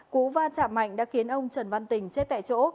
cú va chạm mạnh đã khiến ông trần văn tình chết tại chỗ